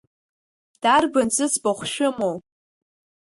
Дарбан зыӡбахә шәымоу?